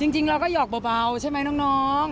จริงเราก็หอกเบาใช่ไหมน้อง